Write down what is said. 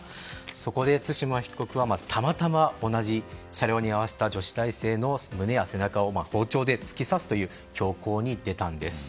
そこで対馬被告はたまたま同じ車両に居合わせた女子大生の胸や背中を包丁で突き刺すという凶行に出たんです。